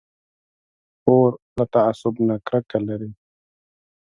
خور له تعصب نه کرکه لري.